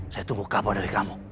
saya tunggu kabar dari kamu